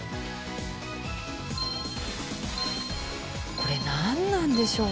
これなんなんでしょうか？